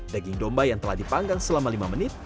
daging domba yang telah dipanggang selama lima menit